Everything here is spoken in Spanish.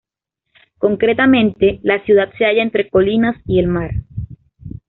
Concretamente, la ciudad se halla entre colinas y el mar.